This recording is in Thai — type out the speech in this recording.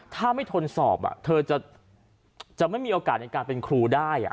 ถ้าไม่ทนสอบเธอจะไม่มีโอกาสในการเป็นครูได้